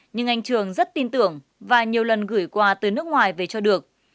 nhưng anh trường rất tin tưởng và nhiều lần gửi quà từ nước ngoài về cho được